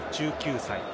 １９歳。